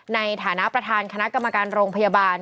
ในฐานะประธานคณะกรรมการโรงพยาบาล